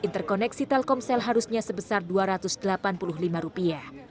interkoneksi telkomsel harusnya sebesar dua ratus delapan puluh lima rupiah